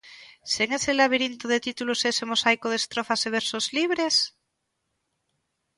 Sen ese labirinto de títulos e ese mosaico de estrofas e versos libres?